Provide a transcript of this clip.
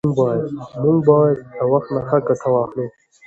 موږ باید له وخت نه ښه ګټه واخلو